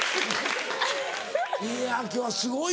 いや今日はすごいな。